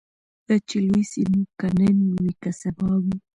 دا چي لوی سي نو که نن وي که سبا وي